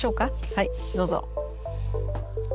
はいどうぞ。